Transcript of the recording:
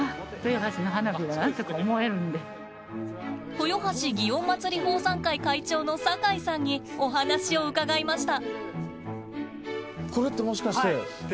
豊橋祇園祭奉賛会会長の酒井さんにお話を伺いました。